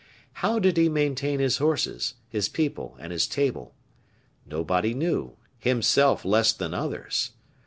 How did he maintain his horses, his people, and his table? Nobody knew; himself less than others.